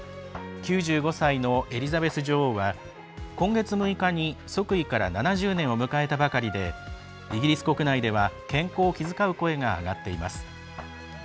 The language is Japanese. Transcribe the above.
９５歳のエリザベス女王は今月６日に即位から７０年を迎えたばかりでイギリス国内では健康を気遣う声が上がっています。